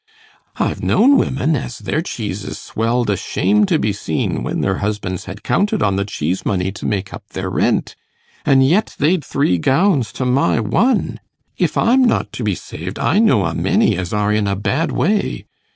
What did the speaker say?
I've known women, as their cheeses swelled a shame to be seen, when their husbands had counted on the cheese money to make up their rent; and yet they'd three gowns to my one. If I'm not to be saved, I know a many as are in a bad way.